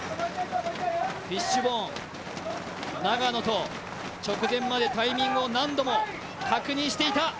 フィッシュボーン、長野と直前までタイミングを何度も確認していた。